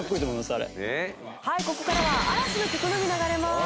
ここからは嵐の曲のみ流れます。